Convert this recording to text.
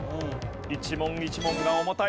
一問一問が重たいぞ。